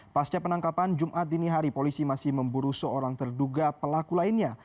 pasca penangkapan jumat dini hari polisi masih memburu seorang terduga pelaku lainnya